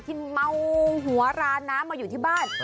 ที่เมาหัวราน้ำมาอยู่ที่บ้าน